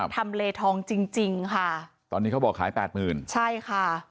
ทำเลทองจริงค่ะตอนนี้เขาบอกขาย๘๐๐๐๐บาทใช่ค่ะ